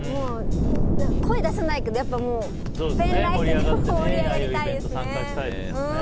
声、出せないけどペンライトで盛り上がりたいですね。